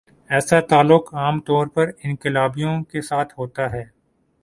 ایسا تعلق عام طور پر انقلابیوں کے ساتھ ہوتا ہے۔